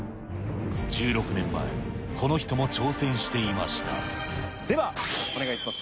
１６年前、この人も挑戦していまではお願いします。